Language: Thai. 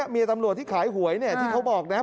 เมียตำรวจที่ขายหวยที่เขาบอกนะครับ